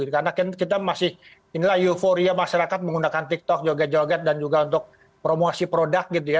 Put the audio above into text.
karena kita masih inilah euforia masyarakat menggunakan tiktok joget joget dan juga untuk promosi produk gitu ya